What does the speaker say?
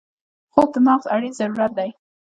خوب د مغز اړین ضرورت دی